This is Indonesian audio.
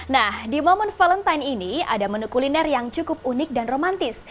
nah di momen valentine ini ada menu kuliner yang cukup unik dan romantis